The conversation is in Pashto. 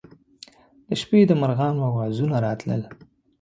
د شپې د مرغانو اوازونه راتلل.